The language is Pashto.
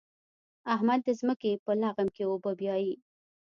احمد د ځمکې په لغم کې اوبه بيايي.